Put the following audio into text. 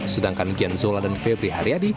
sedangkan gianzola dan febri haryadi